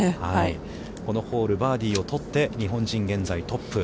このホール、バーディーを取って日本人現在トップ。